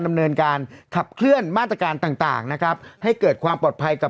ดำเนินการขับเคลื่อนมาตรการต่างต่างนะครับให้เกิดความปลอดภัยกับ